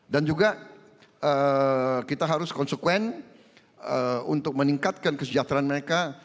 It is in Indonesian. dan juga kita harus konsekuens untuk meningkatkan kesejahteraan mereka